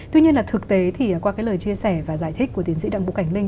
tuy nhiên là thực tế thì qua cái lời chia sẻ và giải thích của tiến sĩ đặng vũ cảnh linh